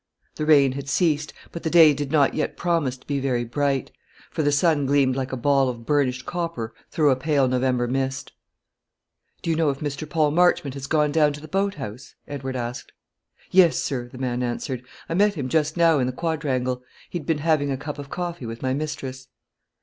The rain had ceased; but the day did not yet promise to be very bright, for the sun gleamed like a ball of burnished copper through a pale November mist. "Do you know if Mr. Paul Marchmont has gone down to the boat house?" Edward asked. "Yes, sir," the man answered; "I met him just now in the quadrangle. He'd been having a cup of coffee with my mistress."